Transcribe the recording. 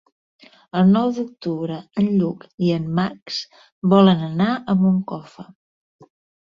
El nou d'octubre en Lluc i en Max volen anar a Moncofa.